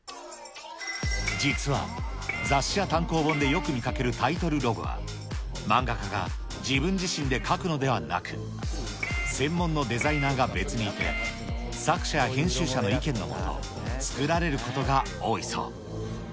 実は、雑誌や単行本でよく見かけるタイトルロゴは、漫画家が自分自身で描くのではなく、専門のデザイナーが別にいて、作者や編集者の意見のもと、作られることが多いそう。